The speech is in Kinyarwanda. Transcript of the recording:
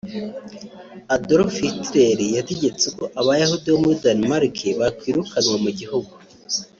Adolf Hitler yategetse ko abayahudi bo muri Danmark bakwirukanwa mu gihugu